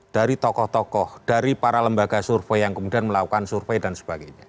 dari tokoh tokoh dari para lembaga survei yang kemudian melakukan survei dan sebagainya